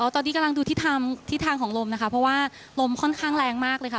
ตอนนี้กำลังดูทิศทางของลมนะคะเพราะว่าลมค่อนข้างแรงมากเลยค่ะ